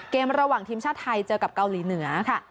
ระหว่างทีมชาติไทยเจอกับเกาหลีเหนือค่ะ